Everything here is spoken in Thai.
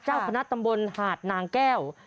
เจ้าคณะตำบลหาดนางแก้ว